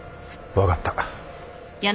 分かった。